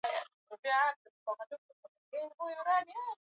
vivutio vingi vya utali vipo nchini tanzania